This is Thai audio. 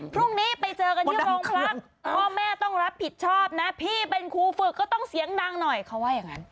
พรุ่งนี้ไปเจอกันที่โรงพักพ่อแม่ต้องรับผิดชอบนะพี่เป็นครูฝึกก็ต้องเสียงดังหน่อยเขาว่าอย่างนั้น